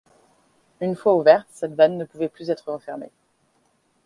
Une fois ouverte, cette vanne ne pouvait plus être refermée.